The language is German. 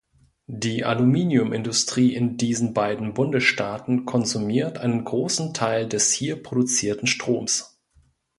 Die Aluminiumindustrie in diesen beiden Bundesstaaten konsumiert einen großen Teil des hier produzierten Stroms.